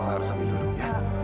mama harus ambil dulu ya